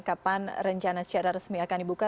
kapan rencana secara resmi akan dibuka